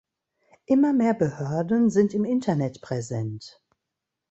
Immer mehr Behörden sind im Internet präsent.